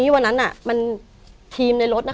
วันนั้นทีมในรถ